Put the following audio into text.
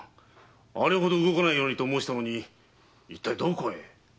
あれほど「動かないように」と申したのにいったいどこへ？